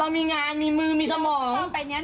มีงานมีมือมีสมอง